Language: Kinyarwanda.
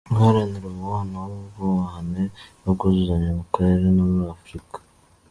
– Guharanira umubano w’ubwubahane n’ubwuzuzanye mu Karere no muri Afrika.